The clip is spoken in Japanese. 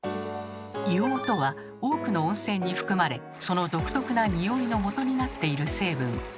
硫黄とは多くの温泉に含まれその独特なニオイのもとになっている成分。